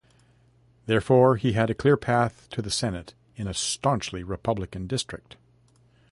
Therefore, he had a clear path to the Senate in a staunchly Republican district.